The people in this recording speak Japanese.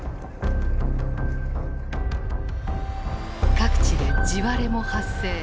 各地で地割れも発生。